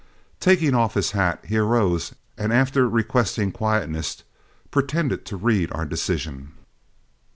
Taking off his hat, he arose, and after requesting quietness, pretended to read our decision.